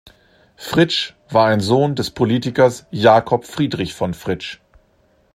Fritsch war ein Sohn des Politikers Jakob Friedrich von Fritsch.